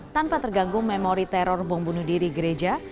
tanpa terganggu memori teror bom bunuh diri gereja